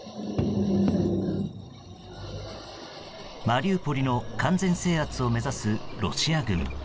マリウポリの完全制圧を目指すロシア軍。